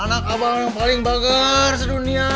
anak abah yang paling bager sedunia